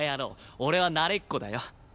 俺は慣れっこだよ。